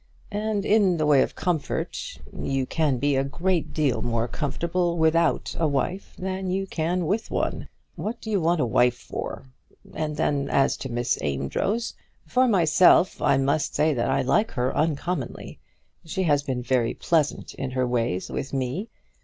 And in the way of comfort, you can be a great deal more comfortable without a wife than you can with one. What do you want a wife for? And then, as to Miss Amedroz, for myself I must say that I like her uncommonly. She has been very pleasant in her ways with me.